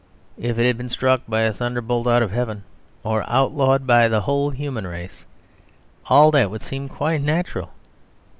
If it had been struck by a thunderbolt out of heaven or outlawed by the whole human race, all that would seem quite natural.